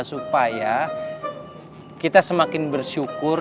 supaya kita semakin bersyukur